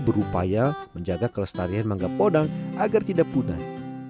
berupaya menjaga kelestarian mangga podang agar tidak punah